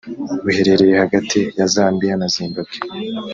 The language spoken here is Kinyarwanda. buherereye hagati ya Zambiya na Zimbabwe